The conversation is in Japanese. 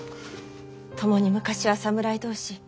共に昔は侍同士。